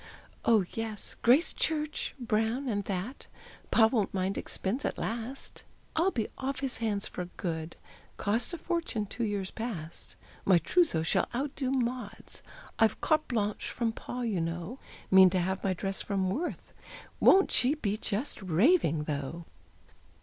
Oh, yes! Grace Church, Brown, and that Pa won't mind expense at last I'll be off his hands for good; Cost a fortune two years past. My trousseau shall outdo Maud's, I've carte blanche from Pa, you know Mean to have my dress from Worth! Won't she be just RAVING though!